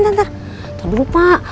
tunggu dulu pak